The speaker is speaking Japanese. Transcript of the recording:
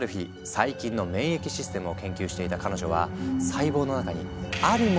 細菌の免疫システムを研究していた彼女は細胞の中にあるものを発見する。